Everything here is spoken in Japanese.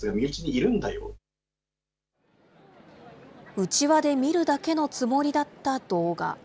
内輪で見るだけのつもりだった動画。